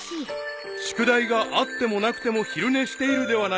［宿題があってもなくても昼寝しているではないか］